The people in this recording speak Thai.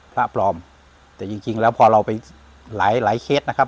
พระปลอมแต่จริงแล้วพอเราไปหลายเคสนะครับ